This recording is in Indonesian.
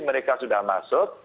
mereka sudah masuk